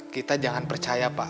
kita jangan percaya pak